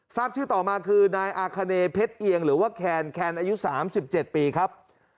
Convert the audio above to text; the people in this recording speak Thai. ทราบชื่อต่อมาคือนายอาคเนเพชรเอียงหรือว่าแคนอายุ๓๗ปีครับ